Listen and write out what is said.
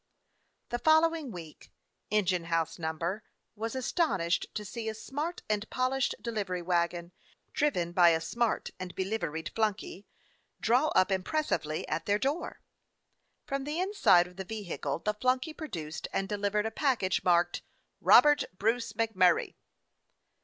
The following week Engine House No. — was astonished to see a smart and polished de livery wagon, driven by a smart and beliveried flunky, draw up impressively at their door. 275 DOG HEROES OF MANY LANDS From the inside of the vehicle the flunky pro duced and delivered a package marked: "Robert Bruce MacMurray."